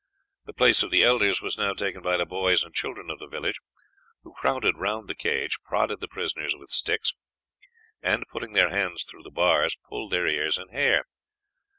The place of the elders was now taken by the boys and children of the village, who crowded round the cage, prodded the prisoners with sticks, and, putting their hands through the bars, pulled their ears and hair.